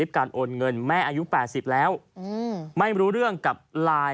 แล้วตอนนั้นเรารู้ไหมว่ามีตัวจรรพิมพ์หรือเปล่า